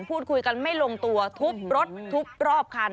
พูดคุยกันไม่ลงตัวทุบรถทุบรอบคัน